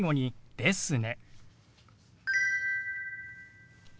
「ですね」。